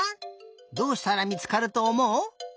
どうしたらみつかるとおもう？